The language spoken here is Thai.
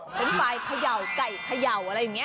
เฟนนท์ฟายขย่าวไก่ขย่าวอะไรอย่างนี้